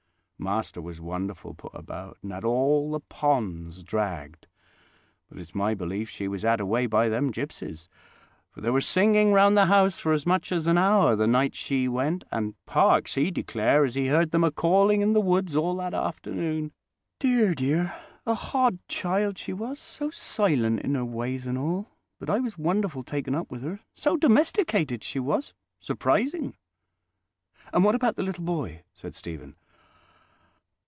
Master was wonderful put about, and had all the ponds dragged; but it's my belief she was had away by them gipsies, for there was singing round the house for as much as an hour the night she went, and Parkes, he declare as he heard them a calling in the woods all that afternoon. Dear, dear! a hodd child she was, so silent in her ways and all, but I was wonderful taken up with her, so domesticated she was—surprising." "And what about the little boy?" said Stephen.